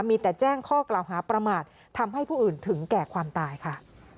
มีแต่แจ้งข้อกล่าวหาประมาททำให้ผู้อื่นถึงแก่ความตายค่ะ